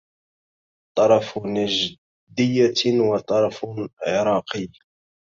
طرف نجدية وطرف عراقي